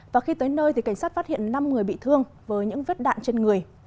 và khi tới nơi thì cảnh sát phát hiện năm người bị thương với những vết đạn trên người